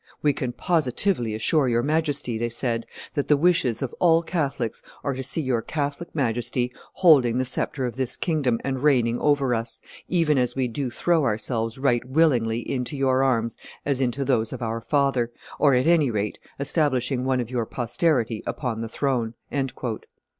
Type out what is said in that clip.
"We can positively assure your Majesty," they said, "that the wishes of all Catholics are to see your Catholic Majesty holding the sceptre of this kingdom and reigning over us, even as we do throw ourselves right willingly into your arms as into those of our father, or at any rate establishing one of your posterity upon the throne."